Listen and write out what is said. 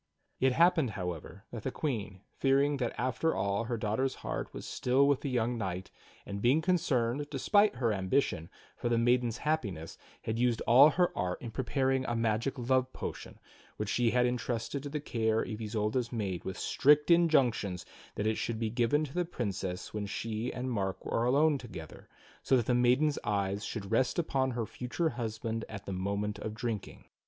It happened, however, that the Queen, fearing that after all her daughter's heart was still with the young knight, and being con cerned, despite her ambition, for the maiden's happiness, had used all her art in preparing a magic love potion which she had intrusted 78 THE STORY OF KING ARTHUR to the care of Isolda's maid with strict injunctions that it should be given to the Princess when she and Mark were alone together, so that the maiden's eyes should rest upon her future husband at the moment of drinking.